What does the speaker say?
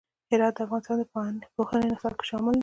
هرات د افغانستان د پوهنې نصاب کې شامل دی.